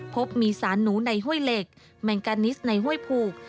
พบมีสารหนูในห้วยเหล็กแมงกานิสในห้วยผูก